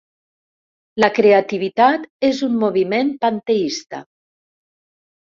La creativitat és un moviment panteista.